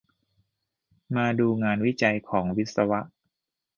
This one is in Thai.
มาดูงานวิจัยของวิศวะ